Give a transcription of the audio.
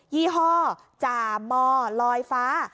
ี่ห้อจ่ามอลอยฟ้า